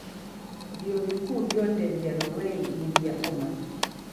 Vyuo Vikuu vyote vya Norwei ni vya umma.